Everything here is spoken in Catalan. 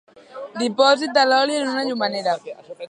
Dipòsit de l'oli en una llumenera.